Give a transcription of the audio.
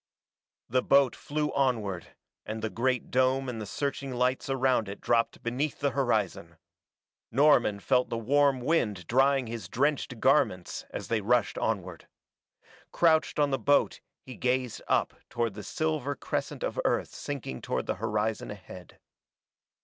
The boat flew onward, and the great dome and the searching lights around it dropped beneath the horizon. Norman felt the warm wind drying his drenched garments as they rushed onward. Crouched on the boat he gazed up toward the silver crescent of Earth sinking toward the horizon ahead.